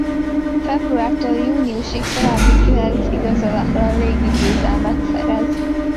Februártól júniusig további kilenc igazolatlan légi győzelmet szerez.